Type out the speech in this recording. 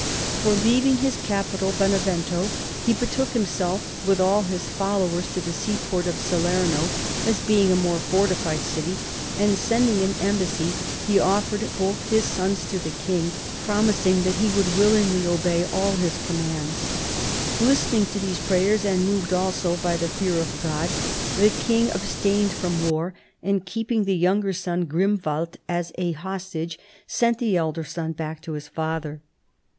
For leaving his capital, Benevento, he betook himself with all his followers to the seaport of Salerno, as being a more fortified city, and, sending an embassy, he offered both his sons to the king, promising that he would willingly obey all his commands. Listen ing to these prayers, and moved also by the fear of God, the king abstained from war ; and keeping the younger son Grimwald as a hostage, sent the elder son back to his father.